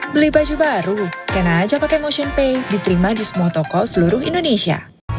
beli baju baru kena aja pake motionpay diterima di semua toko seluruh indonesia